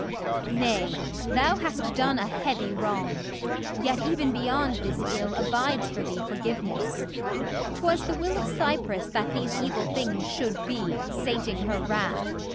THESEUS O Goddess, let me die! ARTEMIS Nay; thou hast done A heavy wrong; yet even beyond this ill Abides for thee forgiveness. 'Twas the will Of Cypris that these evil things should be, Sating her wrath.